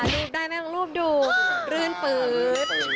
รูปได้นั่งรูปดูรื่นปื๊ด